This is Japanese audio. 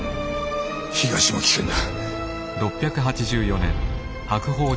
東も危険だ。